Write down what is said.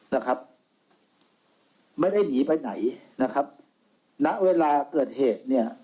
นะครับไม่ได้หนีไปไหนนะครับณเวลาเกิดเหตุเนี่ย